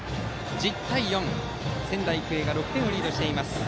１０対４、仙台育英が６点をリードしています。